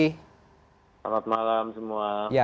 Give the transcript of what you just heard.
selamat malam semua